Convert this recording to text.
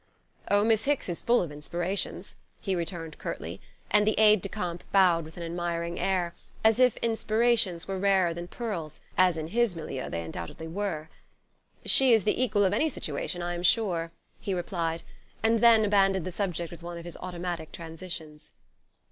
"Oh, Miss Hicks is full of inspirations," he returned curtly, and the aide de camp bowed with an admiring air, as if inspirations were rarer than pearls, as in his milieu they undoubtedly were. "She is the equal of any situation, I am sure," he replied; and then abandoned the subject with one of his automatic transitions.